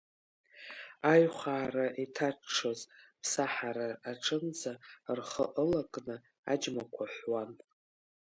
Аҩхаара иҭаҽҽоз Ԥсаҳара аҿынӡа рхы ылакны, аџьмақәа ҳәуан.